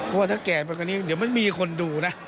เพราะว่าถ้าแก่ไปกว่านี้เดี๋ยวมันมีคนดูนะ